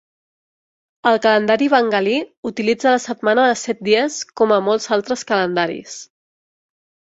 El calendari bengalí utilitza la setmana de set dies com a molts altres calendaris.